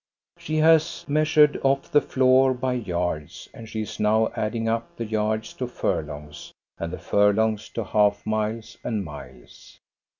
She has measured off the floor by yards, and she is now adding up the yards to furlongs and the fur longs to half miles and miles.